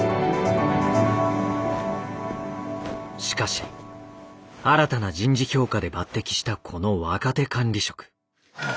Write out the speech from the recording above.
しかし新たな人事評価で抜てきしたこの若手管理職。